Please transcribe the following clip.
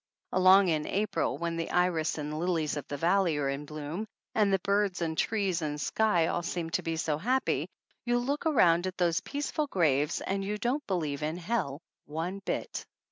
Along in April, when the iris and lilies of the valley are in bloom and the birds and trees and sky all seem to be so happy, you look around at those peaceful graves and you don't believe in hell one bit.